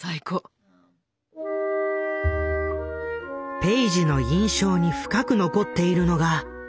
ペイジの印象に深く残っているのがこの回。